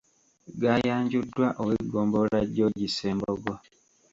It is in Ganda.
Gaayanjuddwa ow’eggombolola George Ssembogo.